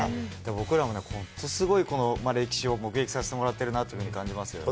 僕らもね、本当すごい歴史を目撃させてもらっているなと感じますよね。